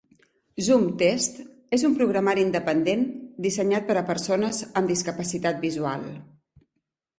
ZoomText és un programari independent dissenyat per a persones amb discapacitat visual.